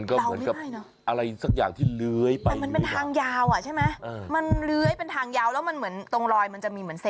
โอ้โฮเป็นทางยาวเลยนะโอ้โฮ